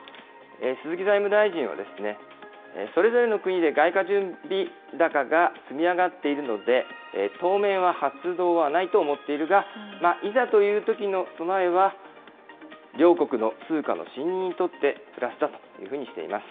鈴木財務大臣は、それぞれの国で外貨準備高が積み上がっているので、当面は発動はないと思っているが、いざというときの備えは、両国の通貨の信認にとってプラスだというふうにしています。